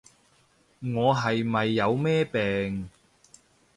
我係咪有咩病？